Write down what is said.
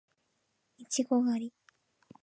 いちご狩り